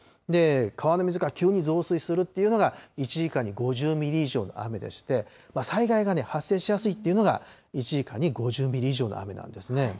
川の水が急に増水するっていうのが、１時間に５０ミリ以上の雨でして、災害が発生しやすいっていうのが、１時間に５０ミリ以上の雨なんですね。